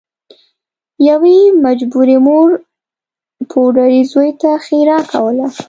یوې مجبورې مور پوډري زوی ته ښیرا کوله